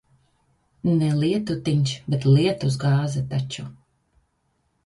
Ne lietutiņš, bet lietus gāze taču.